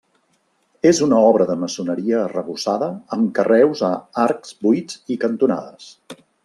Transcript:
És una obra de maçoneria arrebossada amb carreus a arcs, buits i cantonades.